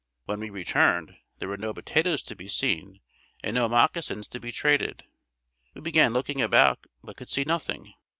When we returned there were no potatoes to be seen and no moccasins to be traded. We began looking about but could see nothing.